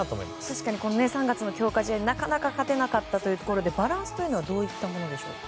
確かに３月の強化試合はなかなか勝てなかったというところでバランスというのはどういったものでしょうか？